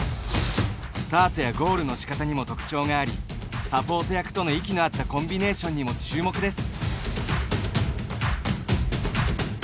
スタートやゴールのしかたにも特徴がありサポート役との息の合ったコンビネーションにも注目です。